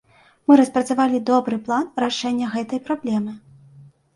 Мы распрацавалі добры план рашэння гэтай праблемы.